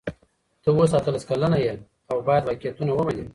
ته اوس اتلس کلنه یې او باید واقعیتونه ومنې.